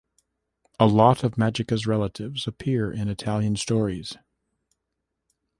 A lot of Magica's relatives appear in Italian stories.